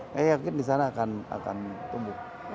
saya yakin di sana akan tumbuh